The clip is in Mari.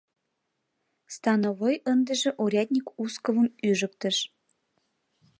Становой ындыже урядник Узковым ӱжыктыш.